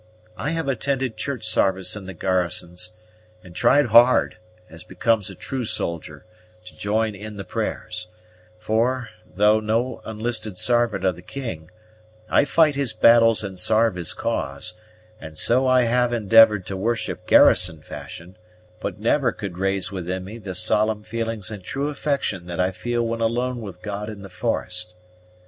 I have attended church sarvice in the garrisons, and tried hard, as becomes a true soldier, to join in the prayers; for, though no enlisted sarvant of the king, I fight his battles and sarve his cause, and so I have endeavored to worship garrison fashion, but never could raise within me the solemn feelings and true affection that I feel when alone with God in the forest.